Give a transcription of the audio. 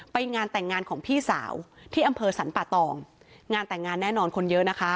ไปงานแต่งงานของพี่สาวที่อำเภอสรรปะตองงานแต่งงานแน่นอนคนเยอะนะคะ